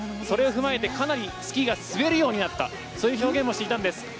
それを踏まえてかなりスキーが滑るようになったという表現もしていたんです。